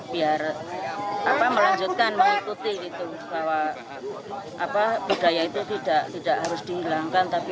biar apa melanjutkan mengikuti itu bahwa apa budaya itu tidak tidak harus dihilangkan tapi